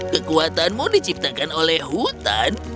kekuatanmu diciptakan oleh hutan